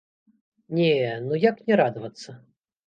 Не, ну як не радавацца?!